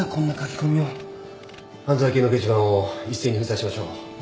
犯罪系の掲示板を一斉に封鎖しましょう。